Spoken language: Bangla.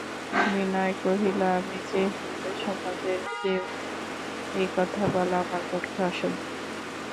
বিনয় কহিল, আমি যে হিন্দুসমাজের কেউ নই এ কথা বলা আমার পক্ষে অসম্ভব।